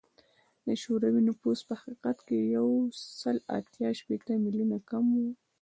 د شوروي نفوس په حقیقت کې له یو سل اته شپیته میلیونه کم و